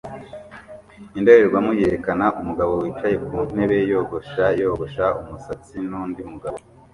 Indorerwamo yerekana umugabo wicaye ku ntebe yogosha yogosha umusatsi nundi mugabo